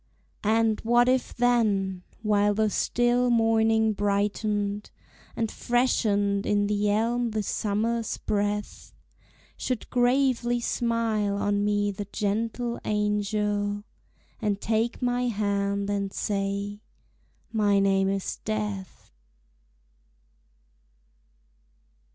And what if then, while the still morning brightened, And freshened in the elm the summer's breath, Should gravely smile on me the gentle angel, And take my hand and say, "My name is Death"?